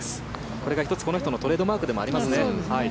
これが１つ、この人のトレードマークでもありますね。